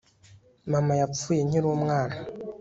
Mama yapfuye nkiri umwana